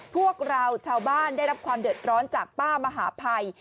พวกเราชาวบ้านได้รับความเดือดร้อนจากป้ามหาภัย